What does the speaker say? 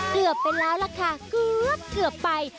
เกือบไปแล้วล่ะค่ะเกือบไป